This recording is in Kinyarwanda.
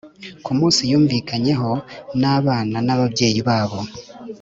ku munsi yumvikanyeho n’abana n’ababyeyi babo